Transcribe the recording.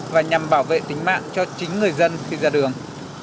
và nhằm bảo vệ tính mạng cho chính người dân khi ra đường